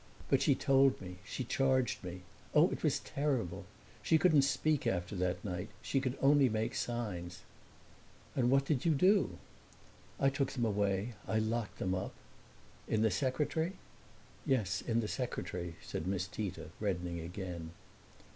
But she told me she charged me. Oh, it was terrible! She couldn't speak after that night; she could only make signs." "And what did you do?" "I took them away. I locked them up." "In the secretary?" "Yes, in the secretary," said Miss Tita, reddening again.